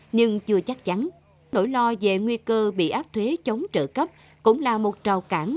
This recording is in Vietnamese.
nhưng chưa chắc chắn nỗi lo về nguy cơ bị áp thuế chống trợ cấp cũng là một trào cản